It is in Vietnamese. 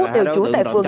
đều trú tại phường